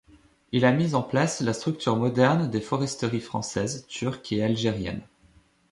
Il a mis en place la structure moderne des foresteries françaises, turques et algérienne.